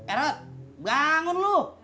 eret bangun lu